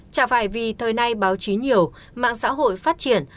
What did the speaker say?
chả phải vì thời nay báo chí nhiều mạng xã hội phát triển